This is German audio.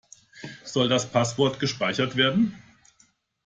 Soll das Passwort gespeichert werden?